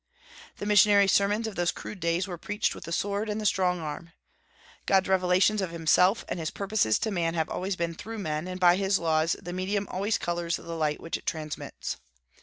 The missionary sermons of those crude days were preached with the sword and the strong arm. God's revelations of himself and his purposes to man have always been through men, and by His laws the medium always colors the light which it transmits.